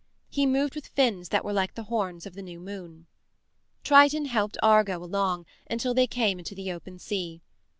He moved with fins that were like the horns of the new moon. Triton helped Argo along until they came into the open sea.